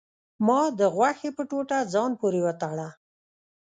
ما د غوښې په ټوټه ځان پورې وتړه.